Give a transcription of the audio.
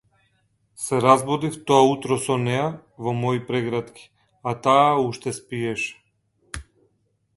Се разбудив тоа утро со неа во мои прегратки, а таа уште спиеше.